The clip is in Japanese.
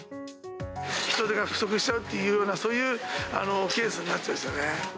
人手が不足しちゃうっていうような、そういうケースになっちゃうんですよね。